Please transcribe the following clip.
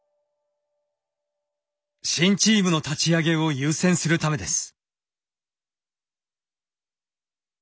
新チームの立ち上げを優先するためです。